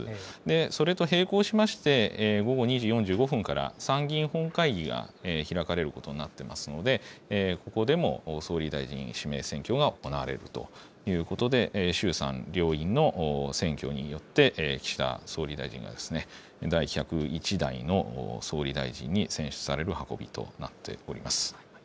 それと並行しまして、午後２時４５分から、参議院本会議が開かれることになってますので、ここでも総理大臣指名選挙が行われるということで、衆参両院の選挙によって、岸田総理大臣が第１０１代の総理大臣に選出される運びとなっております。